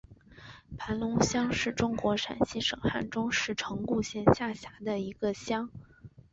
盘龙乡是中国陕西省汉中市城固县下辖的一个乡。